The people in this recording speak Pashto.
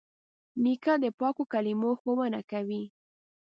نیکه د پاکو کلمو ښوونه کوي.